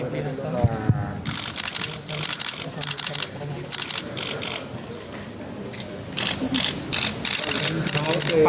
foto dulu pak bentar pak